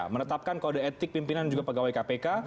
menetapkan kode etik pimpinan juga pegawai kpk